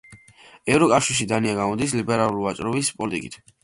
ევროკავშირში დანია გამოდის ლიბერალურ ვაჭრობის პოლიტიკით.